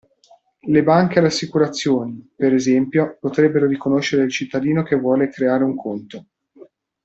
Le banche e le assicurazioni, per esempio, potrebbero riconoscere il cittadino che vuole creare un conto.